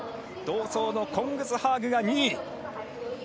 同走のコングスハーグが２位。